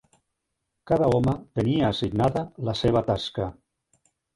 Cada home tenia assignada la seva tasca